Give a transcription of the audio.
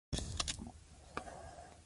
ماتې د زده کړې برخه ده.